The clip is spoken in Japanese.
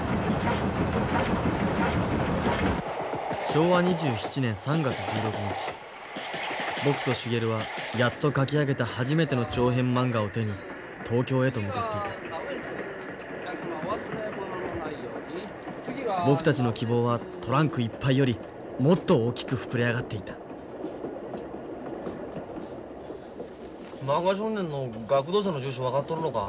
昭和２７年３月１６日僕と茂はやっと描き上げた初めての長編まんがを手に東京へと向かっていた僕たちの希望はトランクいっぱいよりもっと大きく膨れ上がっていた「漫画少年」の学童社の住所分かっとるのか？